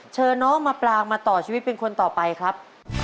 เชิญน้องมาปลางมาต่อชีวิตเป็นคนต่อไปครับ